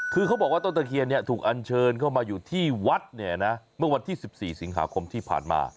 คือเขาบอกว่าต้นตะเคียนถูกอันเชิญเข้ามาอยู่ที่วัดเนี่ยนะเมื่อวันที่๑๔สิงหาคมที่ผ่านมา